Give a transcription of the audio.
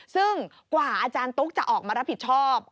ซึ่งกว่าอาจารย์ตุ๊กจะออกมารับผิดชอบ